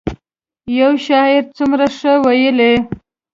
یو شاعر څومره ښه ویلي.